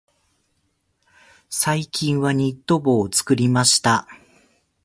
最近はニット帽を作りました。